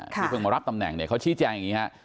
ที่เพิ่งมารับตำแหน่งเนี่ยเขาชี้แจงอย่างนี้ฮะ